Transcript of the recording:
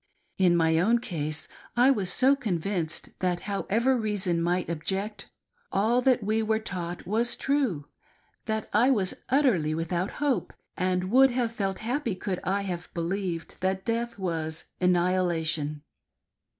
In my own case, I was so con vinced that, however reason might object, all that we were taught was true, that I was utterly without hope, and would have felt happy could Ihave believed that death was annihila tion.